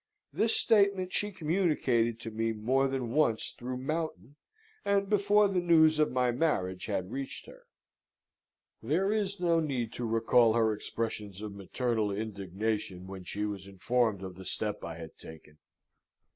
This statement she communicated to me more than once through Mountain, and before the news of my marriage had reached her. There is no need to recall her expressions of maternal indignation when she was informed of the step I had taken.